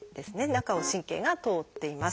中を神経が通っています。